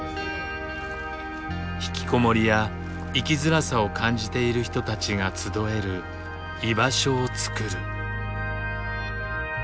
引きこもりや生きづらさを感じている人たちが集える「居場所」をつくる。